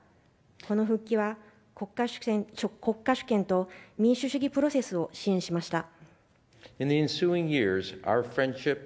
この復帰は国家主権と民主主義プロセスを支援しました。